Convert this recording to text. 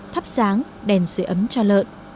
thắp sáng đèn sửa ấm cho lợn